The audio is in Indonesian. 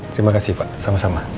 terima kasih pak sama sama